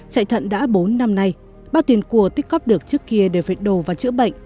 chạy thận đã bốn năm nay bao tiền cua tích cóp được trước kia đều phải đồ và chữa bệnh